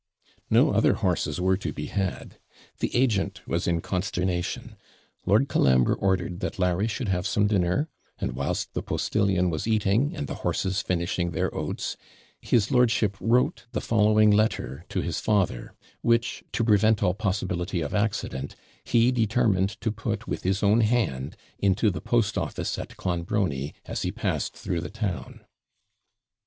No other horses were to be had. The agent was in consternation. Lord Colambre ordered that Larry should have some dinner, and whilst the postillion was eating, and the horses finishing their oats, his lordship wrote the following letter to his father, which, to prevent all possibility of accident, he determined to put, with his own hand, into the post office at Clonbrony, as he passed through the town.